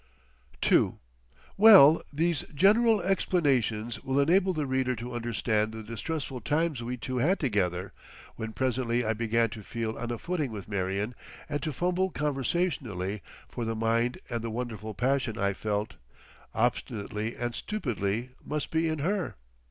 II Well, these general explanations will enable the reader to understand the distressful times we two had together when presently I began to feel on a footing with Marion and to fumble conversationally for the mind and the wonderful passion I felt, obstinately and stupidity, must be in her.